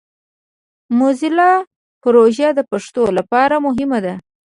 موزیلا پروژه د پښتو لپاره مهمه ده.